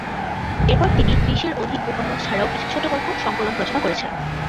এরপর তিনি ত্রিশের অধিক উপন্যাস ছাড়াও কিছু ছোটগল্প সংকলন রচনা করেছেন।